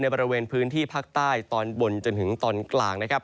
บริเวณพื้นที่ภาคใต้ตอนบนจนถึงตอนกลางนะครับ